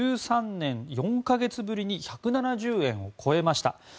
１３年４か月ぶりに１７０円を超えました。